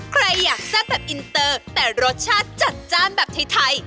ใครอยากแซ่บแบบอินเตอร์แต่รสชาติจัดจ้านแบบไทย